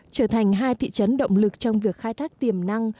trở thành hai thị trấn động lực trong việc khai thác tiềm năng